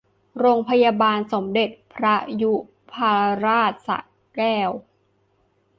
โรงพยาบาลสมเด็จพระยุพราชสระแก้ว